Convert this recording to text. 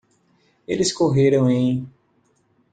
Eles correram em